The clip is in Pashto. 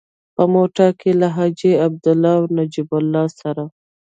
په موټر کې له حاجي عبدالله او نجیب الله سره.